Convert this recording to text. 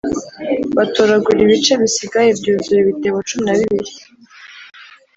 batoragura ibice bisigaye byuzura ibitebo cumi na bibiri